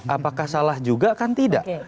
apakah salah juga kan tidak